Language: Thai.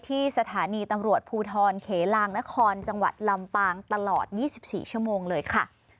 ที่สถานีตำรวจภูทรเขลางนครจังหวัดลำปางตลอด๒๔ชั่วโมงเลยค่ะ